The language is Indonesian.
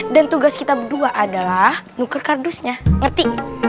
dan tugas kita berdua adalah nuker kardusnya ngerti